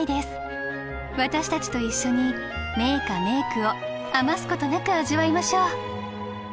私たちと一緒に名歌・名句を余すことなく味わいましょう。